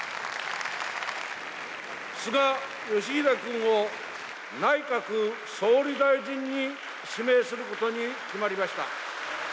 菅義偉君を内閣総理大臣に指名することに決まりました。